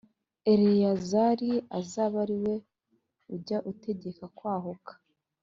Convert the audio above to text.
Eleyazari azabe ari we ujya ategeka kwahuka